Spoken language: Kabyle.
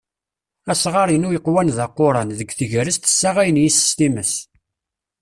Asɣar-inu yeqwan d aquran, deg tegrest ssaɣayen yis-s timas.